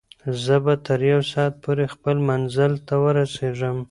زه به تر یو ساعت پورې خپل منزل ته ورسېږم.